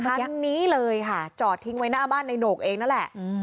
คันนี้เลยค่ะจอดทิ้งไว้หน้าบ้านในโหนกเองนั่นแหละ